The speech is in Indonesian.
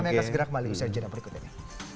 kami akan segera kembali bersajar di segmen berikutnya